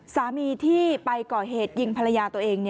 สามีที่ไปก่อเหตุยิงภรรยาตัวเอง